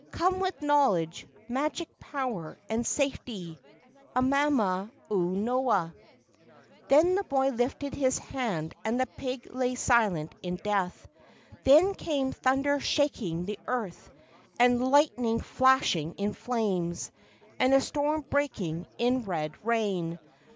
Come with knowledge, magic power, and safety. Amama ua noa." Then the boy lifted his hand and the pig lay silent in death. Then came thunder shaking the earth, and lightning flashing in flames, and a storm breaking in red rain.